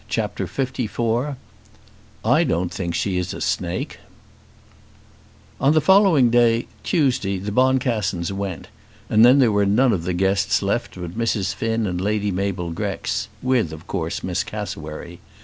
CHAPTER LIV "I Don't Think She Is a Snake" On the following day, Tuesday, the Boncassens went, and then there were none of the guests left but Mrs. Finn and Lady Mabel Grex, with of course Miss Cassewary.